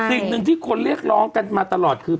สิ่งหนึ่งที่คนเรียกร้องกันมาตลอดคือ